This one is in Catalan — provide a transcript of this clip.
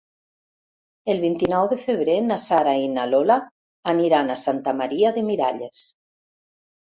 El vint-i-nou de febrer na Sara i na Lola aniran a Santa Maria de Miralles.